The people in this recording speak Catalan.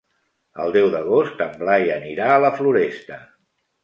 El deu d'agost en Blai anirà a la Floresta.